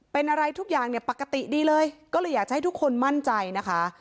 เป็นอะไรทุกอย่างเนี่ยปกติดีเลยก็เลยอยากจะให้ทุกคนมั่นใจนะคะ